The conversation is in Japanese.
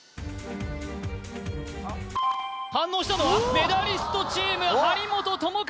反応したのはメダリストチーム張本智和！